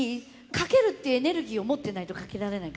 かけるっていうエネルギーを持ってないとかけられないからね。